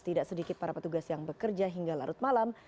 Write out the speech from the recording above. tidak sedikit para petugas yang bekerja hingga larut malam